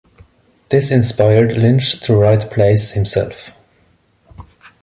This inspired Lynch to write plays himself.